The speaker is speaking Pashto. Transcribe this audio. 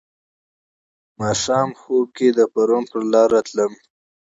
بیګاه خوب کښي د پرون پرلارو تلمه